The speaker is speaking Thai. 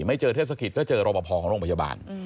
ไม่เจอเทศกิจก็เจอรบพอของโรงพยาบาล